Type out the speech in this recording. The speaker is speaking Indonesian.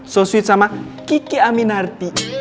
so swit sama kiki aminarti